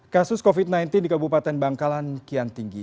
kasus covid sembilan belas di kabupaten bangkalan kian tinggi